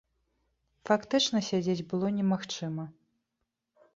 Фактычна сядзець было немагчыма.